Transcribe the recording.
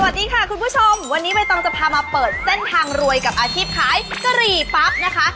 สวัสดีค่ะคุณผู้ชมวันนี้ใบตองจะพามาเปิดเส้นทางรวยกับอาชีพขายกะหรี่ปั๊บนะคะ